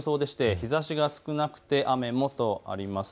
日ざしが少なくて雨もとあります。